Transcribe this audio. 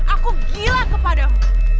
aku gila kepadamu